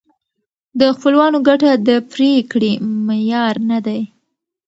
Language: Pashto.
د خپلوانو ګټه د پرېکړې معیار نه دی.